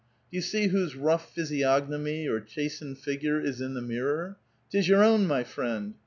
Do you see whose rough physiognomy or chastened figure is in the mirror? 'Tis your own, my friend